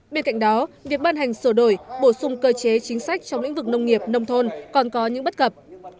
bên cạnh đó việc ban hành sửa đổi bổ sung cơ chế chính sách trong lĩnh vực nông nghiệp nông thôn còn có những bất cập